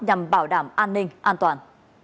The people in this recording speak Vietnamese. nhằm bảo đảm an ninh an toàn